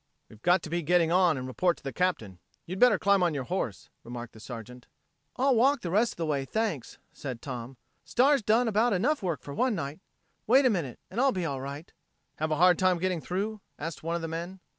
"We've got to be getting on and report to the Captain. You'd better climb on your horse," remarked the Sergeant. "I'll walk the rest of the way, thanks," said Tom. "Star's done about enough work for one night. Wait a minute and I'll be all right." "Have a hard time getting through?" asked one of the men.